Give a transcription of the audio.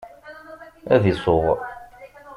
Ad isuɣ.